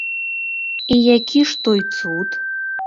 І які ж той цуд?